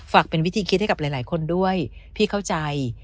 เป็นวิธีคิดให้กับหลายคนด้วยพี่เข้าใจ